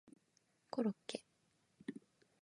コロッケ